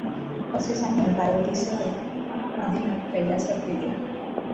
असे सांगून पार्वतीसह आदिनाथ कैलासास गेले.